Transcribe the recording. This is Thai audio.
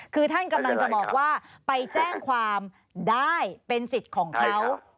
คือท่านกำลังจะบอกว่าไปแจ้งความได้เป็นสิทธิ์ของเขา